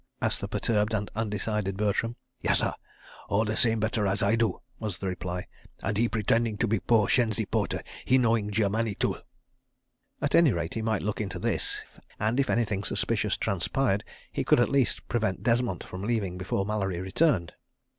asked the perturbed and undecided Bertram. "Yessah—all the same better as I do," was the reply. "And he pretending to be poor shenzi porter. He knowing Germani too. ..." At any rate, he might look into this, and if anything suspicious transpired, he could at least prevent Desmont from leaving before Mallery returned.